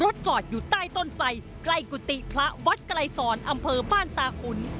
ที่วัดไกลศรอำเภอบ้านตาขุน